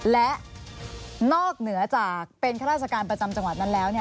และนอกเหนือจากเป็นข้าราชการประจำจังหวัดนั้นแล้ว